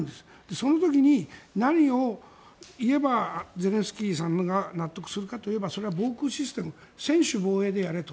その時に、何を言えばゼレンスキーさんが納得するかといえばそれは防空システム専守防衛でやれと。